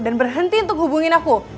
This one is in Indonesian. dan berhenti untuk hubungin aku